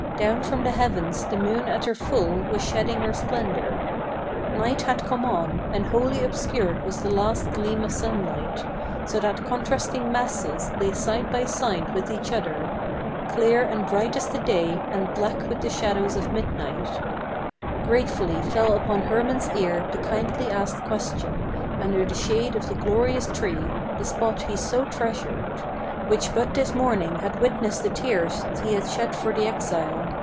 Down from the heavens the moon at her full was shedding her splendor. Night had come on, and wholly obscured was the last gleam of sunlight, So that contrasting masses lay side by side with each other, Clear and bright as the day, and black with the shadows of midnight; Gratefully fell upon Hermann's ear the kindly asked question Under the shade of the glorious tree, the spot he so treasured, Which but this morning had witnessed the tears he had shed for the exile.